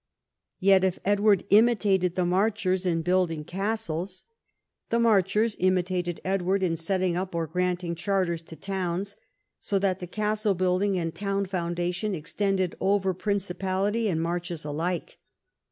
Yet if Edward imitated the Marchers in building castles. VI THE CONQUEST OF THE PRINCIPALITY 117 the Marchers imitated Edward in setting up or granting chartei's to towns, so that the castle building and town foundation extended over Principality and Marches alike.